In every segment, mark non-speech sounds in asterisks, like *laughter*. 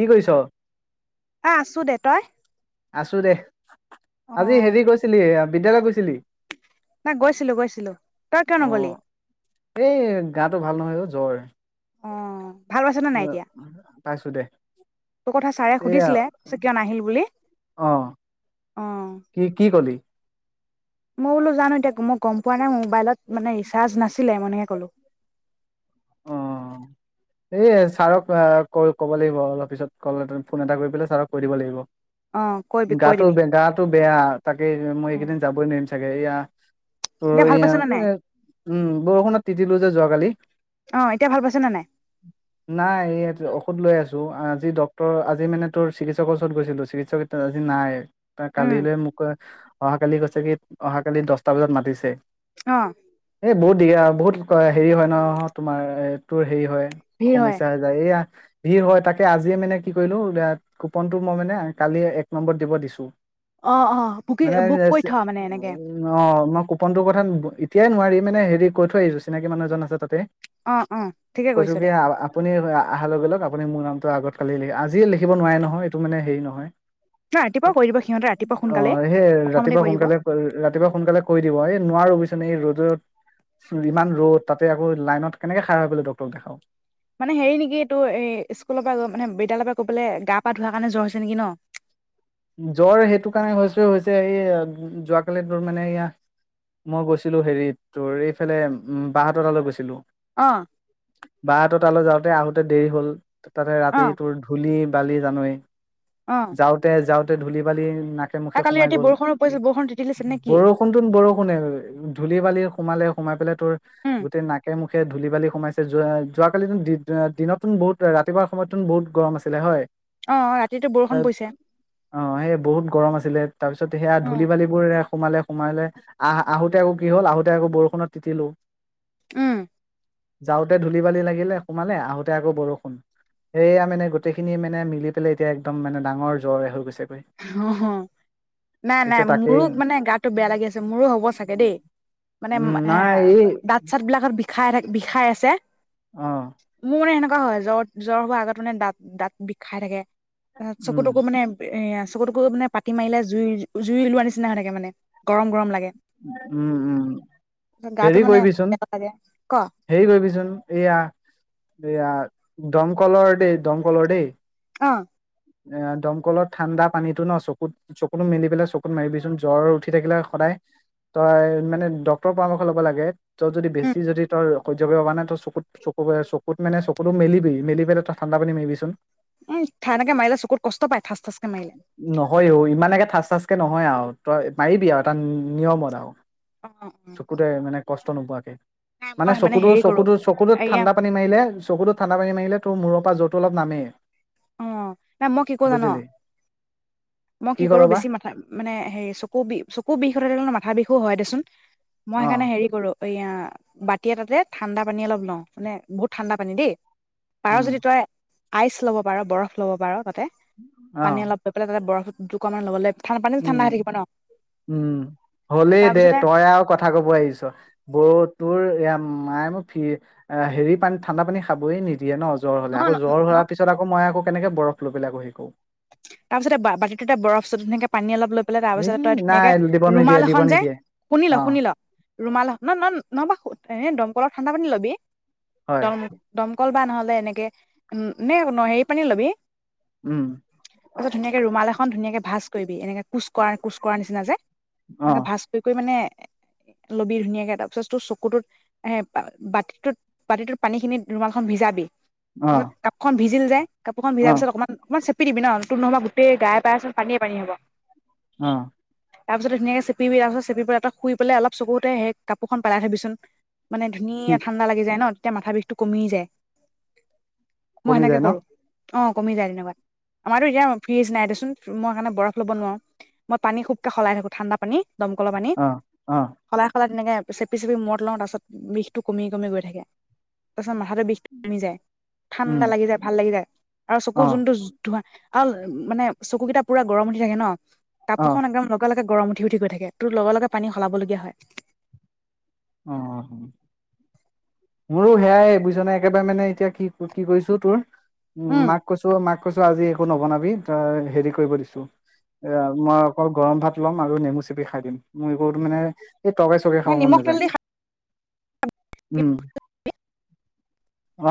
কি কৰিছ? আছো দে, তই? আছো দে। অ আজি হেৰি গৈছিলি এয়া বিদ্যালয় গৈছিলি? নাই গৈছিলো-গৈছিলো তই কিয় নগলি? অ' এই গাটো ভাল নহয় অ' জ্বৰ অঁ ভাল পাইছেনেে অ, নাই এতিয়া? পাইছো দে। তোৰ কথা ছাৰে এইয়া সুধিছিলে পিছে কিয় নাহিল বুলি? অ' অ কি কি কলি? মই বোলো জানো এতিয়া মই গম পোৱা নাই মোবাইলত মানে ৰিচাৰ্জ নাছিলে মনেকে ক'লো। অ, এই ছাৰক আ ক ক'ব লাগিব অলপ পিছত কল এট ফোন এটা কৰি পেলাই ছাৰক কৈ দিব লাগিব। অ কৈ কৈ গাটো দিবি - গাটো বেয়া তাকে অ মই এইকেইদিন যাবই নোৱাৰিম চাগে এয়া ত এতিয়া ভাল এ পাইছ নে নাই উম বৰষুণত তিতিলো যে? যোৱাকালি অ এতিয়া ভাল পাইছ নে নাই নাই ইয়াত ঔষধ লৈ আছো। ত আজি ডক্তৰ আজি মানে তোৰ চিকিৎসকৰ ওচৰত গৈছিলো চিকিৎসক আজি নাই ত উম কালিলৈ মোক অহা কালি কৈছে কি অহা কালি দহটা বজাত মাতিছে। অ। এই বহুত দিয়া বহুত হেৰি হয় ন তোমাৰ এ তোৰ হেৰি হয়। ভিৰ হয় সমস্যা হৈ যায়। এইয়া ভিৰ হয় তাকে আজিয়ে মানে কি কৰিলো কুপনটো মই মানে কালি এক নম্বৰত দিব দিছো। অ অ বুকি মানে বুক কৰি থ মানে উ এনেকে অ মই কুপনটো কথা তিয়াই নোৱাৰি মানে হেৰি কৈ থৈ আহিছো চিনাকি মানুহজন আছে তাতে। অ অ ঠিকে কৈছো কৰিছ কি দে আপুনি অহাৰ লগে লগ আপুনি মোৰ নামটো আগত কালি লি আজিয়ে লিখিব নোৱাৰে নহয়, এইটো মানে হেৰি নহয়। ন ৰাতিপুৱা কৰি দিব সিহঁতে ৰাতিপুৱা অ' সোনকালে সেই প্ৰথমতে ৰাতিপুৱা কৰি দিব সোনকালে ৰাতিপুৱা সোনকালে কৰি দিব এই নোৱাৰো বুইছনে এই ৰ'দ ইমান ৰ'দ তাতে আকৌ লাইনত কেনেকে খ খাৰা হৈ পেলাই ডক্তৰক দেখাওক। মানে হেৰি নেকি এইটো এই স্কুল পা মানে বিদ্যালয় পা কবলে গা পা ধোৱাৰ কাৰণে জ্বৰ হৈছে নেকি ন? জ্বৰ সেইটো কাৰণে হৈছে -হৈছে এই যোৱাকালি তোৰ মানে এয়া মই গৈছিলো হেৰিত তোৰ এইফালে উম বাহতৰ তালৈ গৈছিলো। অ বাহঁতৰ তালৈ যাওঁতে তাতে আহোঁতে দেৰি হ'ল। তাতে অ ৰাতি তোৰ ধূলি বালি জানয়ে অ যাওঁতে -যাওঁতে তে ধূলি- বালি নাকে আৰু মুখে কালি সোমাই ৰাতি গ'ল। বৰষুণো পৰিছিল বৰষুণ তিতি দিছিল নে কি বৰষুণটোন বৰষুণেই ধূলি বালি সোমালে, সোমাই পেলাই তোৰ উম গোটেই নাকে মুখে সে ধূলি বালি সোমাইছে। যোৱা যোৱা কালিতো দিনতো বহুত ৰাতিপুৱাৰ সময়তুন বহুত গৰম আছিলে হয়। অ' অ' ৰাতিটো বৰষুণ তাত পৰিছে। অ সেই বহুত গৰম আছিলে তাৰ পিছত সেয়া উম ধূলি বালিবোৰে সোমালে-সোমালে আহোতে- আহোতে আকৌ কি হ'ল আহোতে আকৌ বৰষুণত তিতিলো। উম, যাওঁতে ধূলি বালি লাগিলে সোমালে আহোতে আকৌ বৰষুণ, সেয়া মানে গোটেইখিনি মানে মিলি পেলে এতিয়া একদম মানে ডাঙৰ জ্বৰে হ'ল। অ নাই -নাই। এতিয়া তাকেই মোৰো মানে গাটো বেয়া লাগি আছে। মোৰো হ'ব চাগে দেই মানে উম এ নাই এই দাঁত চাত বিলাকত বিষ খাই থা- বিষাই আছে। অ মোৰ এনেক- এনেকা হয়। জ্বৰ-জ্বৰ হোৱাৰ আগত মানে দাঁত দাঁত বিখাই থাকে। চকু উম টকু মানে এ আ চকুটোত মানে পাটি মাৰিলে জুই জুই ওলোৱা নিচিনা হৈ থাকে মানে গৰম গৰম লাগে উম্ উম্। গাটো হেৰি মানে কৰিবিচোন, বেয়া লাগে ক হেৰি কৰিবিচোন, এইয়া এইয়া দমকললৰ দেই দমকলৰ দেই অ। এ দমকলত ঠাণ্ডা পানীটো ন চকুত চকুতো মেলি পেলাই চকুত মাৰিবিচোন জ্বৰ উঠি থাকিলে সদায় তই মানে ডক্তৰৰ পৰামৰ্শ ল'ব লাগে। ত' যদি উম বেছি যদি তই সহ্য কৰিব পৰা নাই। তই চকুত চকু চকুত মানে চকুতো মেলিবি মেলি পেলাই তই ঠাণ্ডা পানী মাৰিবিচোন। উম্ ঠা এনেকে মাৰিলে চকুত কষ্ট পায় ঠাঁচ-ঠাঁচকে মাৰিলে। তে নহয় আৰু তই মাৰিবি আৰু এটা নিয়মত আৰু। অ অ উম্ চকুতে মানে কষ্ট নোপোৱাকে। মানে চকুটো কৰো চকুটো চকুটোত এয়া ঠাণ্ডা পানী মাৰিলে চকুটো ঠাণ্ডা পানী মাৰিলে। তোৰ মূৰৰ পৰা য'তটো অলপ নামেই অ', নাই মই কি কৰো জান? বুজিলি মই কি কৰ কৰো বা বেছি মাথা মানে হেৰি চকু বিষ চকু বিষ হৈ থাকিলে ন মা থা বিষো হয় দেচোন। মই অ সেইকাৰণে হেৰি কৰো, এইয়া বাতি এটাতে ঠাণ্ডা পানী অলপ লওঁ, মানে বহুত ঠাণ্ডা পানী দেই! পাৰ উম যদি তই আইচ লব পাৰ, বৰফ ল'ব পাৰ। তা তে অ পানী অলপ লৈ পেলাই তাতে বৰফ *unintelligible* ঠাণ্ডা হৈ উম্ থাকিব ন উম্ হ'লেই দে তাৰপিছতে তই আৰু কথা কব আহিছ। বৌ তোৰ এয়া মায়ে মোক হেৰি পানী ঠাণ্ডা পানী খাবই নিদিয়ে। দিয়ে ন জ্বৰ হ'লে, নহয় আক' জ্বৰ হোৱাৰ নহয় পিছত আকৌ মই আকৌ কেনেকে বৰফ লৈ পেলাই আকৌ হেৰি কৰো? তাৰপিছতে বাতিটোতে বৰফ ছত ধূনীয়াকে পানী অলপ লৈ তাৰ এই পিছতে তই নাই ধুনীয়াকে দিব নিদিয়ে ৰুমাল দিব এখন যে, নিদিয়ে শুনি ল, অ শুনি ল। ৰুমাল এ, ন ন নহ'ব, এ দমকলৰ ঠাণ্ডা পানী ল বে হয় দম দমকল বা নল এনেকে উম নে ন হেৰি পানী লাগে উম্। পাছত ধূনীয়াকে ৰুমাল এখন, ধুনীয়াকে ভাঁজ কৰিবি। এনেকে কোচ কৰা, কোচ কৰাৰ নিচিনা যে অ এনেকে ভাঁজ কৰি কৰি মানে লবি ধুনীয়াকে তাৰ পিছত তোৰ চকুটোত এ বাতিটোত বাতিটোত পানী খিনি ৰুমাল খন ভিজাবি। অ তাৰপিছত কাপখন ভিজিল যে। কাপোৰখন অ ভজাৰ পিছত অকনমান অকনমান চেপি শুই দিবি ন? তোৰ নহবা গোটেই গায়ে পায়ে চোন পানীয়ে পানী হ'ব। অ তাৰপিছত ধুনীয়াকে চেপিবি আকৌ। চেপিপেলাই তই শুই পেলাই অলপ চকুতে সেই কাপোৰখন পেলাই থবিচোন। মানে কি ধুনীয়া ঠাণ্ডা লাগি যায় ন? তেতিয়া মাথা বিষটো কমি যায়। মই কমি সেনেকে যায় ন কৰো। অ কমি যায় তেনেকুৱাত। আমাৰতো ইয়াত ফ্ৰিজ নাই দেচোন মই কাৰণে বৰফ ল'ব নোৱাৰোঁ। মই পানী খুবকে সলাই থাকো ঠাণ্ডা পানী। দমকলৰ পানী অ অ সলাই সলাই তেনেকে চেপি চেপি মূৰত লওঁ তাৰ পাছত বিষটো কমি কমি গৈ থাকে। ত মাথাটো বিষটো কমি যায়। উম ঠাণ্ডা লাগি যায় ভাল লাগি যায় আৰু চকু অ যোনটো আৰু মানে চকুকেইটা পুৰা গৰম উঠি থাকে ন? অ কাপোৰ খন একদম লগে, লগে গৰম উঠি উঠি গৈ থাকে। তোৰ লগে লগে পানী সলাবলগীয়া হয়। অ মোৰো সেয়াই বুজিছ নাই একেবাৰে মানে এতিয়া কি কি কৰিছো তোৰ উম মাক কৈছো মাক কৈছো আজি একো নবনাবি তই হেৰি কৰিব দিছো এ মই অকল গৰম ভাত ল'ম আৰু নেমু চেপি খাই দিম মোৰ একো মানে এই তৰ কাৰী চৰকাৰী মই খাব মন নিমখ তেল নাযায়। দি উম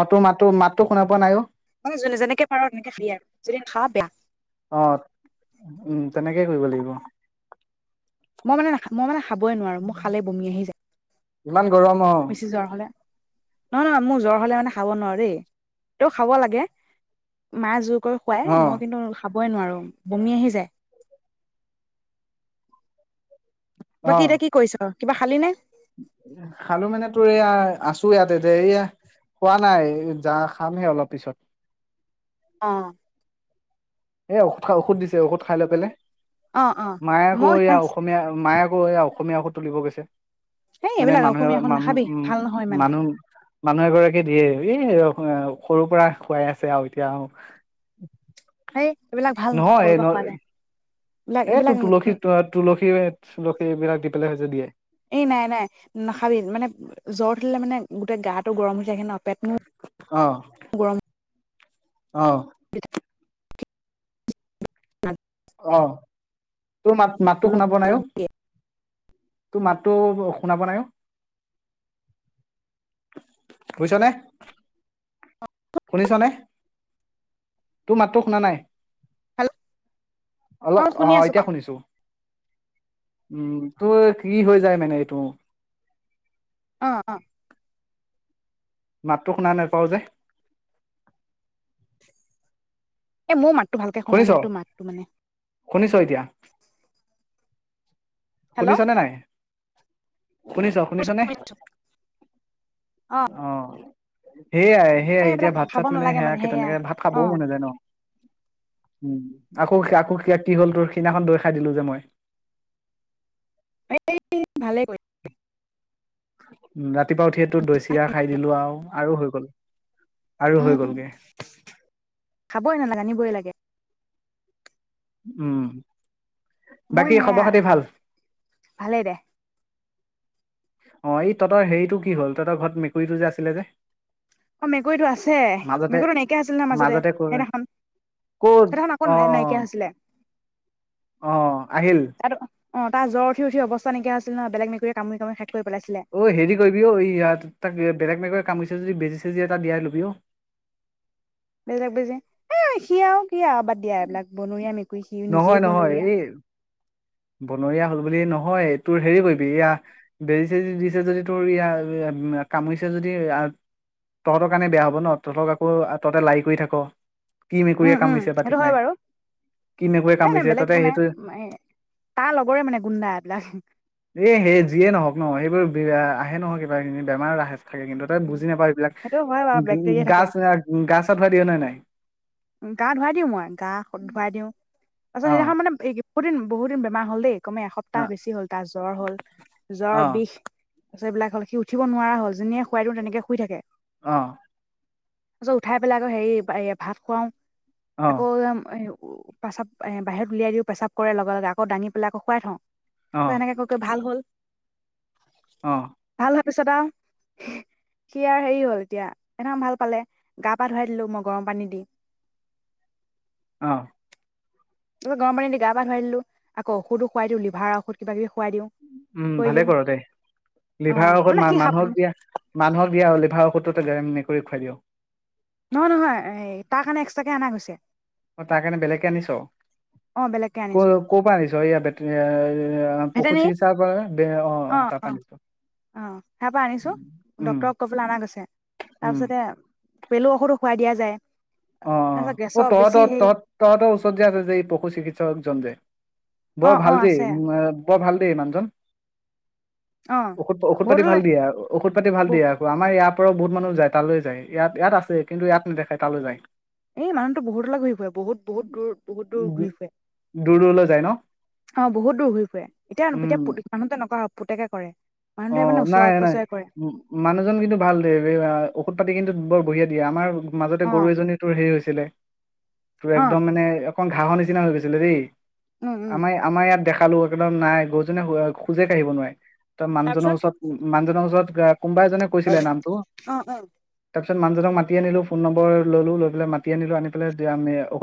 অ তোৰ মাতো মাতটো শুনা পোৱা নাই অ। মানে যোনে যেনেকে পাৰ তেনেকে খাবি আৰু যদি নাখাৱ বেয়া। অ উম তেনেকেই কৰিব লাগিব। মই মানোখা মই মে *unintelligible* খাবই নোৱাৰো। মই খালেই বমি আহি যায়। ইমান গৰম অ বেছি জ্বৰ হ'লে নহয় নহয় মোৰ জ্বৰ হলে মানে খাব নোৱাৰো দেই তেও খাব লাগে মায়ে জোৰ কু কুৱাই অ মই কিন্তু খাবই নোৱাৰো বমি আহি যায়। অ বাকী এতিয়া কি কৰিছ তই? কিবা খালি নে? খালো মানে তোৰ এয়া আছো ইয়াত এতিয়া এইয়া খোৱা নাই য খামহে অলপ পিছত। উ অ এ ঔষধ দিছে ঔষধ খাই লৈ পেলাই অ অ মায়াকো মই ইয়া অসমীয়া মায়াক ঔ এ অসমীয়া সু তুলিব গৈছে এই মানে এইবিলাক মানুহে অসমীয়া এখন মান নাখাবি উম ভাল নহয় ইমান মানুহ মানুহ এগৰাকী দিয়ে এই সৰুৰ পৰা খুৱাই আছে আৰু এতিয়া হেই এইবিলাক ভাল নহয় ঘৰুব খোৱা যায় এইবিলাক এই ত এইবিলাক তুলসী তুলসী তুলসী এইবিলাক দি পেলে হৈছে দিয়ে এই নাই নাই নাখাবি মানে জ্বৰ উাকিলে মানে গোটেই গাটো গৰম হৈ ন পেট মোৰ গৰম আহ অ তোৰ মাত মাতো শুনা নাই পোৱা ঔ তোৰ মাতটো শুনা নাই পোৱা ঔ বুজিছ নে শুনিছনেে তোৰ মাতটো শুনা নাই অল অ শুনি আছো ক এতিয়া শুনিছো উম তোৰ কি হৈ যায় মানে এইটো অ অ মাতটো শুনা নাপাওঁ যে এ মোৰ মাত শুনিছ শুনিছ এতিয়া হেল্ল' শুনিছানে নাই *inaudible* শুনিছ শুনিছ নে অ উম সেয়াই সেয়াই এই এতিয়া সেইবিলাক ভাত খাব চাত মানে নালাগে সেয়াকে সেয়া তেনেকে ভাত অ খাবও মন নাযায় ন উ আকৌ আকৌ ক কি হ'ল তোৰ সেইদিনাখন দৈ খাই দিলো যে মই। এই ভালে কৰিলা হয় উ ৰাতিপুৱা উঠিয়ে টো দৈ চিৰা খাই দিলো আৰু আৰু হৈ গল আৰু হৈ উম গলগে খাবই নালাগে আনিবই লাগে উম মই বাকী খবৰ সেয়া খাতি ভাল ভালে দে অ এই তহতৰ হেৰিটো কি হ'ল তহঁতৰ ঘৰত মেকুৰীটো যে আছিলে যে অ মেকুৰীটো আছে মাজতে মেকুৰীটো নাইকিয়া আছিল নহ মাজতে সেইদিনাখন ক'ত সেইদিনাখন আকৌ অ নাইকিয়া হৈছিলে অ আহিল আৰু অ তাৰ জ্ব উঠি উঠি অৱস্থা নাইকিয়া হৈছিল নহয় বেলেগ মেকুৰীয়ে কামুৰি কামুৰি খাই দে অ' হেৰি কৰিবি অ' ইয়াত, তাক বেলেগ মেকুৰীয়ে কামুৰিছে। বেজি- চেজি এটা দিয়াই ল'বি অ। বেলেগ বেজি। এ সি আও কি আও বাদ দিয়া এইবিলাক বনৰীয়া মেক নহয় নহয় এই বনৰীয়া হ'ল বুলি নহয় তোৰ হেৰি কৰিবি এয়া বেজি-চেজি দিছে যদি তোৰ ইয়া কামুৰিছে যদি আ তহঁতৰ কাৰণে বেয়া হ'ব ন, তহঁতক আকৌ তহঁতে লাৰি কৰি থাক। কি উম মেকুৰীয়ে উম কামুৰিছে বা সেইটো ঠিক হয় নাই! বাৰু কি মেকুৰীয়ে এ নাই কামুৰিছে বেলেগ তাতে একো নাই সেইটো তাৰ লগৰে মানে গুণ্ডা এইবিলাক। এইবোৰ আহে নহয় কিবাকিবি বেমাৰ আহে থাকে কিন্তু তাই বুজি নাপায় এইবিলাক, সেইটো হয় উ বাৰু বেক্টেৰিয়া থাকে গাছ - গা চা ধুৱাই দিয়ে নে নাই? গা ধুৱাই দিও মই, গা ধুৱাই দিওঁ। আচ্ছা অ সেইদিনাখন মানে বহুদিন - বহুদিন বেমাৰ হ'ল দেই। কমে এসপ্তাহ অ বেছি হ'ল তাৰ জ্বৰ হ'ল। জ্বৰ, অ বিষ। তাপিছত এইবিলাক হ'ল সি উঠিব নোৱাৰা হ'ল, যেনিয়ে শুৱাই দিও তেনেকে শুই থাকে। অ' তাৰপিছত উঠাই পেলাই আকৌ হেৰি ভাত খুৱাওঁ অ আকৌ উ পেচাব এ বাহিৰত উলিয়াই দিও পেচাব কৰে লগে লগে, আকৌ দাঙি পেলাই আকৌ শুৱাই থওঁ। অ কৌ এনেকে কৈ কৈ ভাল হ'ল। অ' তাপিছত আৰু সি-সি আৰু হেৰি হ'ল এতিয়া সেইকাৰণে ভাল পালে গা-পা ধুৱাই দিলো মই গৰম পানী দি। অ'। গৰম পানী দি গা-পা ধুৱাই দিলো আকৌ ঔষধো খুৱাই দিও লিভাৰৰ ঔষধ কিবাকিবি উম ভালে কৰ দে। লিভাৰৰ অ' ঔষধ মানে মা সি - মানুহক দিয়া মানুহক দিয়া লিভাৰৰ ঔষধটো গৰম মেকুৰীক খুৱাই দিয়। নহয় নহয় এই তাৰ কাৰণে এক্সট্ৰাকে আনা গৈছে। অ' তাৰ কাৰণে বেলেগকে আনিছ? অ' বেলেগকে আনিছোঁ ক' মই কৰ পা আনিছ? এইয়া বেতি ভেটেনেৰী। অ' তাৰ পৰা অ' আনিছ অ' তাৰ পৰা আনিছো উম ডক্তৰক কৈ পেলাই আনা গৈছে। উম তাৰপিছতে পেলু ঔষধো খুৱাই দিয়া যা- যায় অ' অ'। তাৰপিছত অ' গেছৰ বেছি তহঁতৰ হেৰি তহঁত তহঁতৰ ওচৰত যে আছে যে এই পশু চিকিৎসকজন যে অ বৰ অ ভাল দেই আছে বৰ ভাল দেই মানুহজন! অ ঔষধ-ঔষধ পাতি ভাল বহুতলৈ দিয়া ঔষধ পাতি ভাল বহু দিয়ে আকৌ আমাৰ ইয়াত। তাৰ পৰা বহুত মানুহ যায়, তালৈ যায়। ইয়াত- ইয়াত আছে। কিন্তু, ইয়াত নেদেখাই তালৈ যায়। এই মানুহতো বহুতলে ঘূৰি ফুৰে। বহুত- বহুত দূৰ, বহুত দূৰ ঘূৰি ফুৰে। দূৰ দূৰলৈ যায় ন অ বহুত দূৰ ঘূৰি ফুৰে। অ 'এতিয়া উম এতিয়া মানুহতো এনেকুৱা হ'ব পুতেকে কৰে। অ মানুহটোৱে মানে নাই ওচৰে নাই, পাজৰে কৰে মানুহজন কিন্তু ভাল দে। ঔষধ পাতি কিন্তু বৰ বঢ়িয়াই দিয়ে আমাৰ মাজতে অ গৰু এজনী তোৰ হেৰি হৈছে। ছিলে। তোৰ অ একদম মানে অখন ঘাঁহৰ নিচিনা হৈ গৈছিলে দেই। উম উম আমাৰ- আমাৰ ইয়াত দেখ কামো একদম নাই গৰুজনীয়ে খোজে কাঢ়িব নোৱাৰে। তই মানুহজনৰ তাৰপিছত ওচৰত মানুহজনৰ ওচৰত গ কোনোবা এজনে কৈছিলে নামটো অ অ তাৰ পিছত পিছত মানুহজনক মাতি আনিলোঁ। ফোন নম্বৰ ললো, লৈ পেলাই মাতি আনিলো আনি পেলাই এতিয়া আমি